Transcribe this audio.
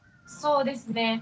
そうですね。